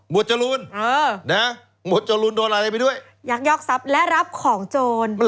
บวชรูนเออนะฮะบวชรูนโดนอะไรไปด้วยยักยกทรัพย์และรับของโจร